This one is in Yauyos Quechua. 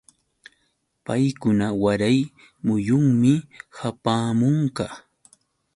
Paykuna waray muyunmi hapaamunqa.